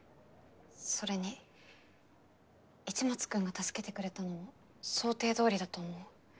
それに市松君が助けてくれたのも想定どおりだと思う。